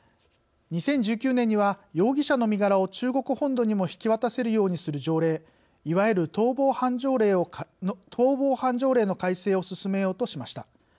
２０１９年には容疑者の身柄を中国本土にも引き渡せるようにする条例いわゆる「逃亡犯条例」の改正を進めようとしました。